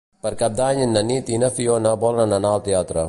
Per Cap d'Any na Nit i na Fiona volen anar al teatre.